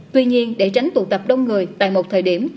tuy nhiên để tránh tụ tập đông người tại một thời điểm